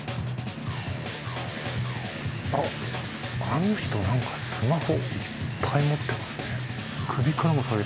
あっあの人何かスマホいっぱい持ってますね。